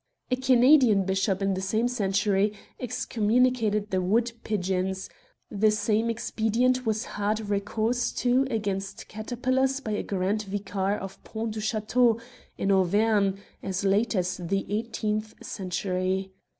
A Canadian bishop in the same century excommunicated the wood pigeons ; the same expedient was had recourse to against caterpillars by a grand vicar of 66 Queer Culprits Pont du Chateau, in Auvergne, as late as the eighteenth century.